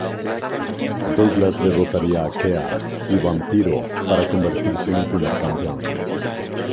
Douglas derrotaría a Kea y Vampiro para convertirse en el primer campeón.